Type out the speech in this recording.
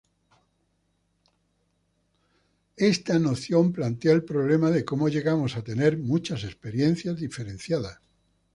Esta noción plantea el problema de cómo llegamos a tener muchas experiencias diferenciadas.